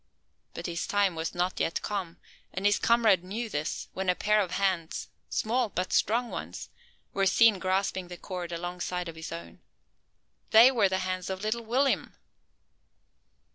But his time was not yet come; and his comrade knew this, when a pair of hands, small, but strong ones, were seen grasping the cord, alongside of his own. They were the hands of Little Will'm!